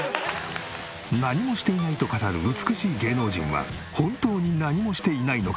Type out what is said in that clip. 何もしていないと語る美しい芸能人は本当に何もしていないのか？